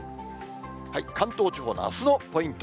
関東地方のあすのポイント。